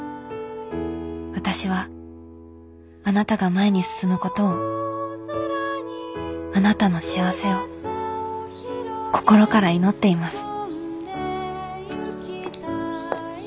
私はあなたが前に進むことをあなたの幸せを心から祈っています」。